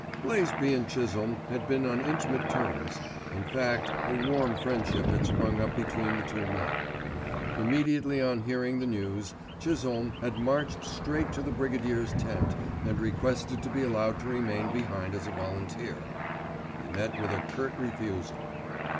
Blaisby and Chisholme had been on intimate terms, in fact a warm friendship had sprung up between the two men. Immediately on hearing the news, Chisholme had marched straight to the Brigadier's tent and requested to be allowed to remain behind as a volunteer. He met with a curt refusal.